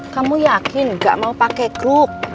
kamu yakin nggak mau pakai kruk